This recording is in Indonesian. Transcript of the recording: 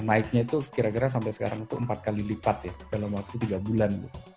naiknya itu kira kira sampai sekarang itu empat kali lipat ya dalam waktu tiga bulan